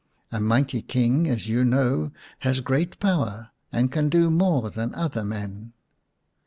A mighty King, as you know, has great power, and can do more than other men."